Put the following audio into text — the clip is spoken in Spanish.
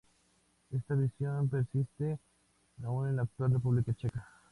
Esta visión persiste aún en la actual República Checa.